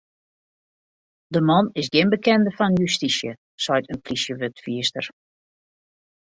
De man is gjin bekende fan justysje, seit in plysjewurdfierster.